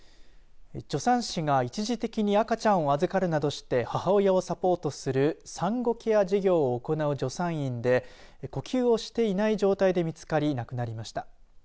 助産師が一時的に赤ちゃんを預かるなどして母親をサポートする産後ケア事業を行う助産院で呼吸をしていない状態で見つかり亡くなりました。